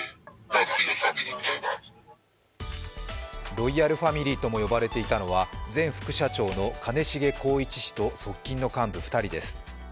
ロイヤルファミリーとも呼ばれていたのは前副社長の兼重宏一氏と側近の幹部２人です。